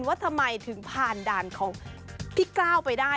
ว่าทำไมถึงผ่านด่านของพี่กล้าวไปได้